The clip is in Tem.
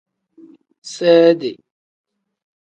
Seedi.